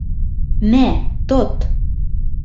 Мә, тот.